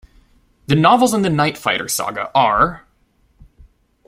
"The novels in the Night Fighter Saga are:"